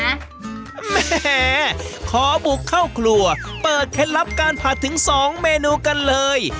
แหมขอบุกเข้าครัวเปิดเคล็ดลับการผัดถึง๒เมนูกันเลย